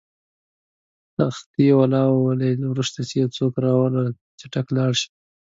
تختې والاو وویل: ورشه یو څوک راوله، چټک لاړ شه.